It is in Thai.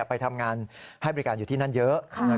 ไปทำงานให้บริการอยู่ที่นั่นเยอะ